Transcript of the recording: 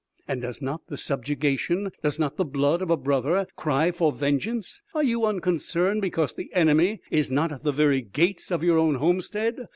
And does not the subjugation, does not the blood of a brother cry for vengeance? Are you unconcerned because the enemy is not at the very gates of your own homestead?